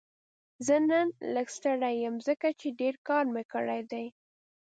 زه نن لږ ستړی یم ځکه چې ډېر کار مې کړی دی